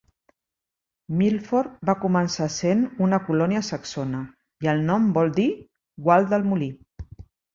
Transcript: Milford va començar essent una colònia saxona, i el nom vol dir "gual del molí".